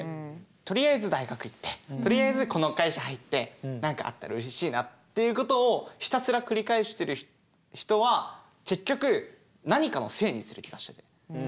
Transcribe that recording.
とりあえず大学行ってとりあえずこの会社入って何かあったらうれしいなっていうことをひたすら繰り返してる人は結局何かのせいにする気がしてて。